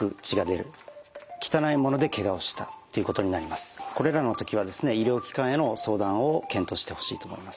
まずこれらの時は医療機関への相談を検討してほしいと思います。